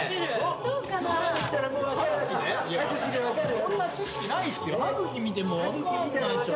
そんな知識ないっすよ。